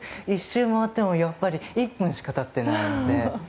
１周回ってもまだ１分しか経っていないので。